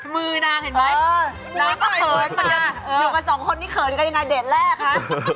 มือนางเห็นไหมนางก็เขินมาอยู่กันสองคนนี้เขินกันยังไงเดทแรกคะ